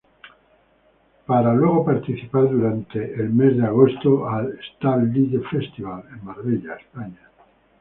Para luego participar durante el mes de agosto al "Starlite Festival" en Marbella, España.